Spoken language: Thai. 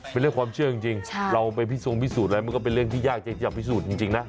เป็นเรื่องความเชื่อจริงเราไปพิทรงพิสูจนอะไรมันก็เป็นเรื่องที่ยากที่จะพิสูจน์จริงนะ